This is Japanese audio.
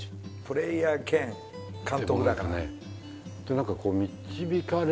プレーヤー兼監督だから。